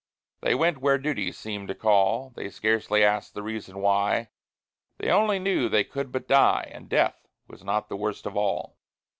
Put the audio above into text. They went where duty seemed to call, They scarcely asked the reason why; They only knew they could but die, And death was not the worst of all!